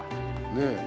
ねえ。